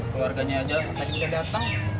keluarganya aja tadi udah datang